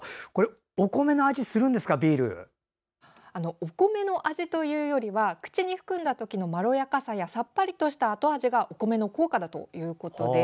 お米の味というよりは口に含んだ時のまろやかさやさっぱりとした後味がお米の効果だということです。